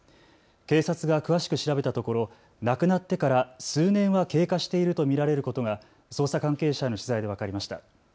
警察が詳しく調べたところ亡くなってから数年は経過していると見られることが捜査関係者への取材で分かりました。